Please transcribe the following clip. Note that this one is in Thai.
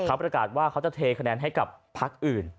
เขาประกาศว่าเขาจะเทคะแนนให้กับพักอื่น